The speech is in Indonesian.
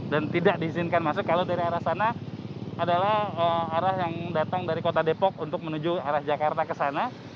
dan tidak diizinkan masuk kalau dari arah sana adalah arah yang datang dari kota depok untuk menuju arah jakarta ke sana